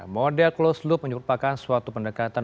model closed loop menyerupakan suatu pendekatan